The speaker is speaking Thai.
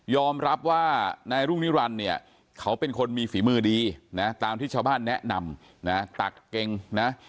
รับว่านายรุ่งนิรันดิ์เนี่ยเขาเป็นคนมีฝีมือดีนะตามที่ชาวบ้านแนะนำนะตักเก่งนะ